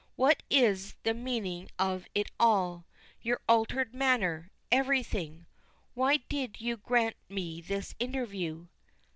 What is the meaning of it all your altered manner everything? Why did you grant me this interview?"